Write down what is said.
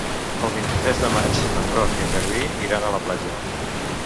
El vint-i-tres de maig en Roc i en Garbí iran a la platja.